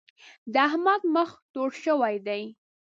د احمد مخ تور شوی دی.